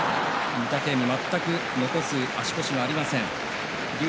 御嶽海、全く残す足腰がありません。